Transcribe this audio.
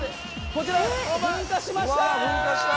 こちら噴火しました！